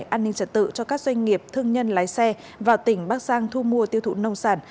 an ninh trật tự cho các doanh nghiệp thương nhân lái xe vào tỉnh bắc giang thu mua tiêu thụ nông sản